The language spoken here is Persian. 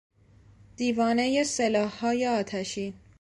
دیوانهی سلاحهای آتشین